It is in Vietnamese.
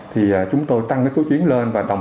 thì chúng tôi tăng số chuyến lên